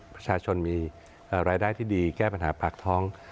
ประชาชนมีรายได้ที่ดีแก้ปัญหาปากท้อง